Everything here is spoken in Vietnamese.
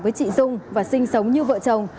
với chị dung và sinh sống như vợ chồng